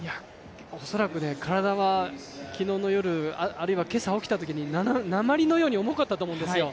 おそらく体は昨日の夜、あるいは今朝起きたときに鉛のように重かったと思うんですよ。